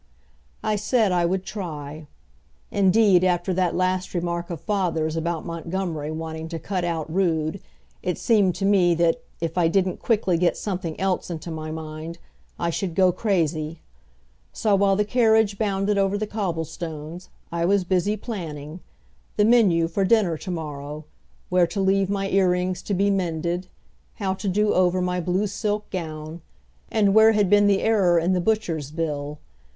I said I would try. Indeed, after that last remark of father's about Montgomery wanting to cut out Rood it seemed to me that, if I didn't quickly get something else into my mind, I should go crazy. So while the carriage bounded over the cobblestones, I was busy planning the menu for dinner to morrow, where to leave my ear rings to be mended, how to do over my blue silk gown, and where had been the error in the butcher's bill.